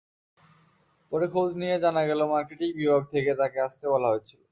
পরে খোঁজ নিয়ে জানা গেল, মার্কেটিং বিভাগ থেকে তাঁকে আসতে বলা হয়েছিল।